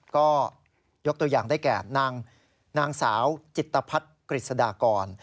ก็ยกตัวอย่างได้แก่นางสาวจิตภัทรกฤษฎากร